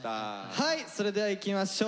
はいそれではいきましょう。